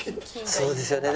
そうですよね。